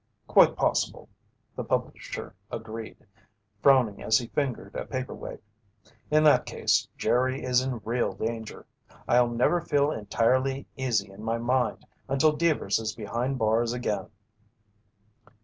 "Quite possible," the publisher agreed, frowning as he fingered a paperweight. "In that case, Jerry is in real danger. I'll never feel entirely easy in my mind until Deevers is behind bars again."